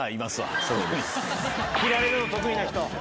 切られるの得意な人。